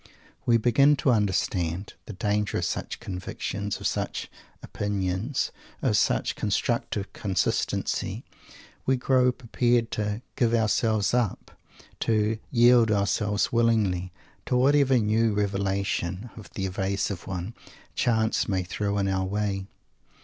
We begin to understand the danger of such convictions, of such opinions, of such "constructive consistency." We grow prepared to "give ourselves up" to "yield ourselves willingly," to whatever new Revelation of the Evasive One chance may throw in our way.